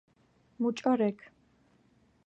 მუჭო რექ